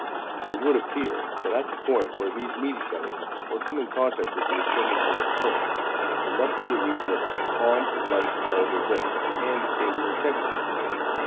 It would appear that at the point where these meet each other, or come in contact with the ascending warm current, there must be a region of calms or light, variable winds, and occasional tempests.